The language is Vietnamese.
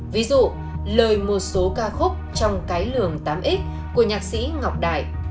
ví dụ lời một số ca khúc trong cái lường tám x của nhạc sĩ ngọc đại